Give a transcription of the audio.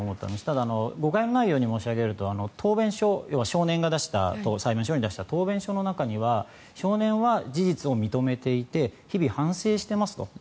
ただ、誤解のように申し上げると答弁書、要は少年が裁判所に出した答弁書の中には少年は事実を認めていて日々、反省していますと。